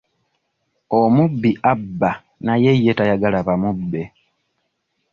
Omubbi abba naye ye tayagala bamubbe.